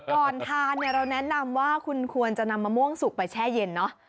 ก่อนทานเนี่ยเราแนะนำว่าคุณควรจะนำมะม่วงสุกไปแช่เย็นเนอะ